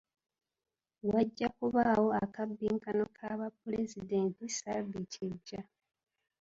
Wajja kubaawo akabbinkano ka ba pulezidenti ssabbiiti ejja.